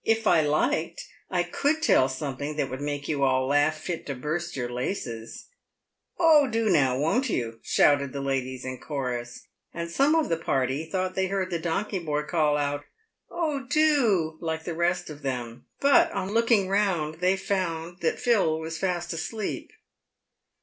" If I liked, I could tell some thing that would make you all laugh fit to burst your laces." " Oh, do now, won't you ?" shouted the ladies in chorus ; and some of the party thought they heard the donkey boy call out, " Oh, do," like the rest of them. But, on looking round, they found that Phil was fast asleep.